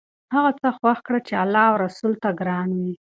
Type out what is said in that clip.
هغه څه خوښ کړه چې الله او رسول ته ګران وي.